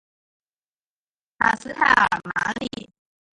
卡斯泰尔马里。